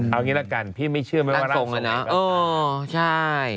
เอางี้ละกันพี่ไม่เชื่อไม่ว่าร่างทรงไหร่ร่างทรงไหร่เออใช่